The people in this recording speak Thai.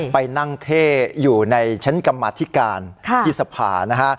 ไปนั่งเท่อยู่ในชั้นกรรมธิการที่สภานะฮะ